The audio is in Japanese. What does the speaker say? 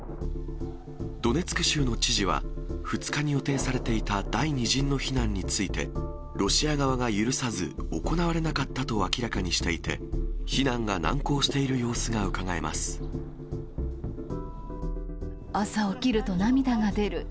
ドネツク州の知事は、２日に予定されていた第２陣の避難についてロシア側が許さず、行われなかったと明らかにしていて、避難が難航している様子がう朝起きると涙が出る。